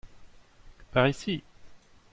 Par ici.